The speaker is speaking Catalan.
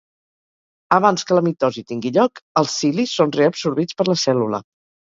Abans que la mitosi tingui lloc, els cilis són reabsorbits per la cèl·lula.